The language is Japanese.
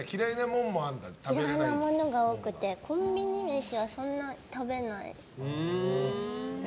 嫌いなものが多くてコンビニ飯はそんなに食べない。